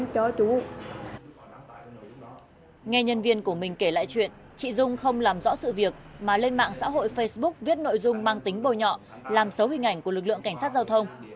trong lúc đi giao hàng chị nhung đã làm rõ sự việc mà lên mạng xã hội facebook viết nội dung mang tính bồi nhọ làm xấu hình ảnh của lực lượng cảnh sát giao thông